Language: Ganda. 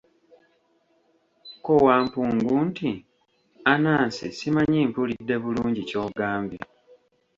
Ko Wampungu nti, Anansi, simanyi mpulidde bulungi ky'ogambye?